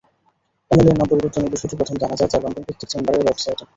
অমলের নাম পরিবর্তনের বিষয়টি প্রথম জানা যায় তাঁর লন্ডনভিত্তিক চেম্বারের ওয়েবসাইটে।